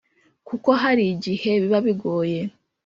kuko hari igihe biba bigoye